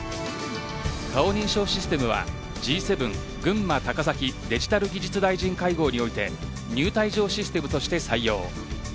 顔認証システムはＧ７群馬高崎デジタル・技術大臣会合において入退場システムとして採用。